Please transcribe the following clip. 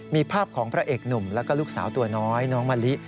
มีภาพของพระเอกหนุ่มแล้วก็ลูกสาวตัวน้อยน้องมะลิ